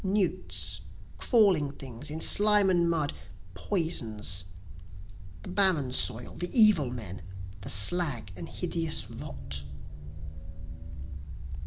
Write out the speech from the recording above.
Newts, crawling things in slime and mud, poisons, The barren soil, the evil men, the slag and hideous rot.